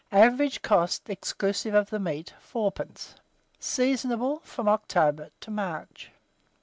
Average cost, exclusive of the meat, 4d. Seasonable from October to March.